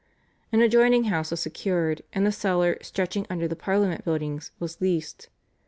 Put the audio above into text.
An adjoining house was secured, and the cellar stretching under the Parliament buildings was leased.